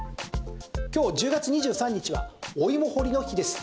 今日１０月２３日はお芋掘りの日です。